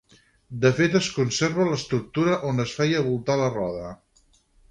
De fet es conserva l'estructura on es feia voltar la roda.